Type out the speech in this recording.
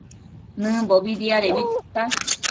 Nëmbobi diadebi tita